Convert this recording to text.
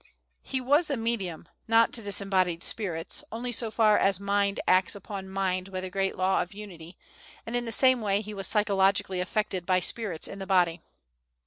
He was a medium, not to disembodied spirits, only so far as mind acts upon mind by the great law of unity, and in the same way was he psychologically affected by spirits in the body.